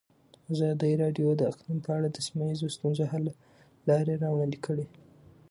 ازادي راډیو د اقلیم په اړه د سیمه ییزو ستونزو حل لارې راوړاندې کړې.